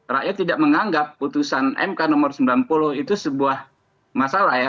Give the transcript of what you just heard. rakyat tidak menganggap putusan mk nomor sembilan puluh itu sebuah masalah ya